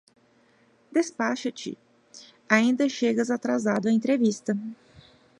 Despacha-te, ainda chegas atrasado à entrevista!